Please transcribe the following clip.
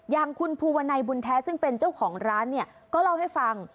อย่างคุณภูวนัยบุญแท้ซึ่งเป็นเจ้าของร้านเนี่ยก็เล่าให้ฟัง